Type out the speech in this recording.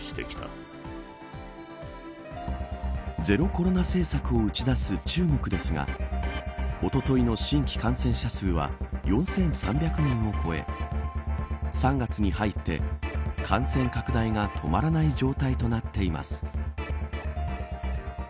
ゼロコロナ政策を打ち出す中国ですがおとといの新規感染者数は４３００人を超え３月に入って感染拡大が止まらない状態となっています。